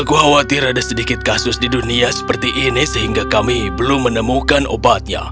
aku khawatir ada sedikit kasus di dunia seperti ini sehingga kami belum menemukan obatnya